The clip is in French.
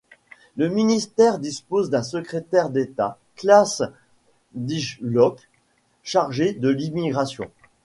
Le ministère dispose d'un secrétaire d'État, Klaas Dijkhoff, chargé de l'Immigration.